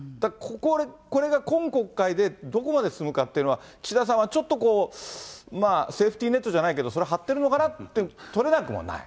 これが今国会でどこまで進むかっていうのは、岸田さんはちょっとこう、セーフティーネットじゃないけど、それ張ってるのかって取れなくもない。